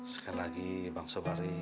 sekali lagi pak sobari